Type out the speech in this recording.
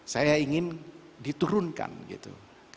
saya ingin diturunkan gitu